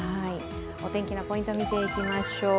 お天気のポイント見ていきましょう。